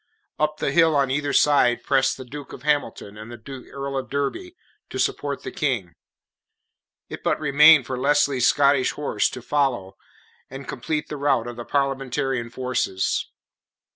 Up the hill on either side pressed the Duke of Hamilton and the Earl of Derby to support the King. It but remained for Lesley's Scottish horse to follow and complete the rout of the Parliamentarian forces.